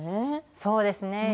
そうですね